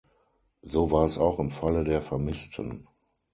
So war es auch im Falle der Vermissten.